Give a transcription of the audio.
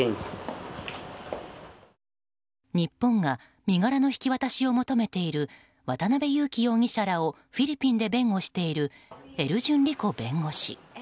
日本が身柄の引き渡しを求めている渡辺優樹容疑者らをフィリピンで弁護しているエルジュン・リコ弁護士。